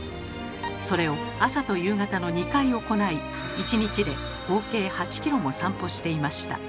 それを朝と夕方の２回行い１日で合計８ｋｍも散歩していました。